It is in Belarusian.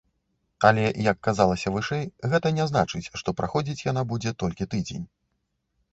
Але, як казалася вышэй, гэта не значыць, што праходзіць яна будзе толькі тыдзень.